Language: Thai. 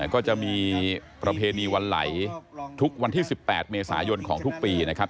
ก็จะมีประเพณีวันไหลทุกวันที่๑๘เมษายนของทุกปีนะครับ